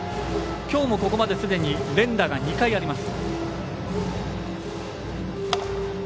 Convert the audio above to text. きょうも、ここまですでに連打が２回あります。